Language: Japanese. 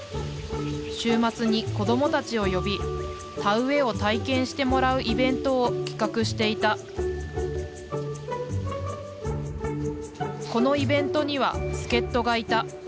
週末に子供たちを呼び田植えを体験してもらうイベントを企画していたこのイベントには助っ人がいた。